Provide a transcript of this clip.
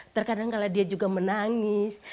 terkadang kalau dia juga menangis